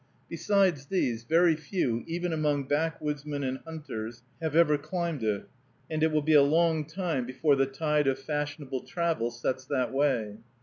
Besides these, very few, even among backwoodsmen and hunters, have ever climbed it, and it will be a long time before the tide of fashionable travel sets that way.